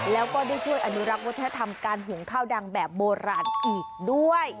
แล้วก็ได้ช่วยอนุรักษ์วัฒนธรรมการหุงข้าวดังแบบโบราณอีกด้วย